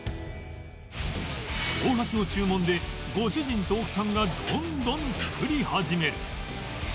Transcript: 大橋の注文でご主人と奥さんがどんどん作り始める